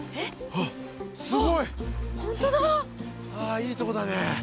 あいいとこだね。